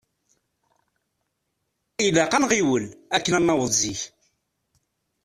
Ilaq ad nɣiwel akken ad naweḍ zik.